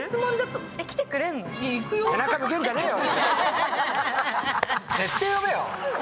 背中向けんじゃねーよ！